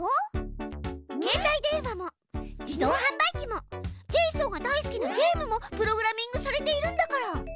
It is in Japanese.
けい帯電話も自動はん売機もジェイソンが大好きなゲームもプログラミングされているんだから。